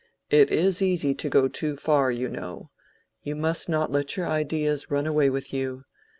"It is easy to go too far, you know. You must not let your ideas run away with you.